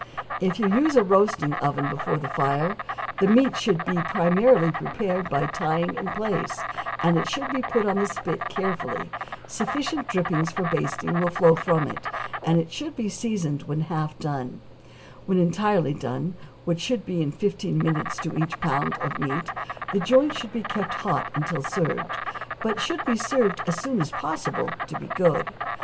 If you use a roasting oven before the fire, the meat should be similarly prepared by tying in place, and it should be put on the spit carefully; sufficient drippings for basting will flow from it, and it should be seasoned when half done; when entirely done, which will be in fifteen minutes to each pound of meat, the joint should be kept hot until served, but should be served as soon as possible to be good.